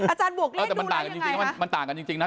อาจารย์บวกเลขดูแลอย่างไรคะมันต่างกันจริงนะ